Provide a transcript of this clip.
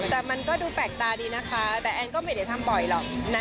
แต่มันก็ดูแปลกตาดีนะคะแต่แอนก็ไม่ได้ทำบ่อยหรอก